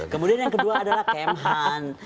kemudian yang kedua adalah kemhan